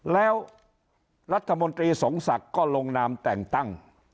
แล้วรัฐมนตรีสมศักดิ์ก็ลงนามแต่งตั้ง